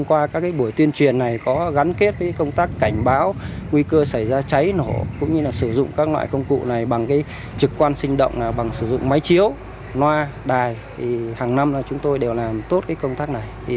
qua các buổi tuyên truyền này có gắn kết với công tác cảnh báo nguy cơ xảy ra cháy nổ cũng như sử dụng các loại công cụ này bằng trực quan sinh động bằng sử dụng máy chiếu loa đài hàng năm chúng tôi đều làm tốt công tác này